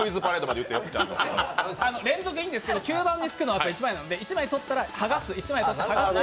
連続でもいいんですけど吸盤にくっつくのは１枚なので１枚取ったら剥がす、１枚取ったら剥がすと。